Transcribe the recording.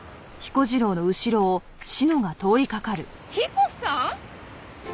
彦さん？